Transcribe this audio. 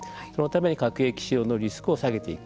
そのために核兵器使用のリスクを下げていく。